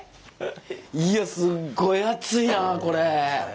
いやすっごい熱いやん。